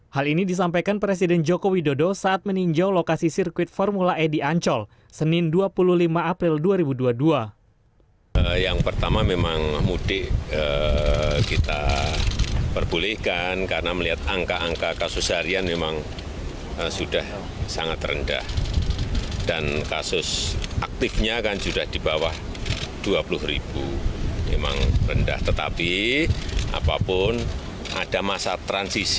hal ini disampaikan presiden joko widodo saat meninjau lokasi sirkuit formula e di ancol senin dua puluh lima april dua ribu dua puluh dua